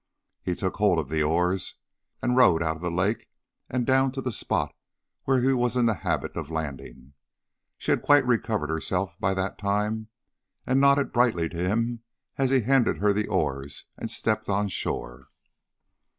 He took hold of the oars, and rowed out of the lake and down to the spot where he was in the habit of landing. She had quite recovered herself by that time, and nodded brightly to him as he handed her the oars and stepped on shore.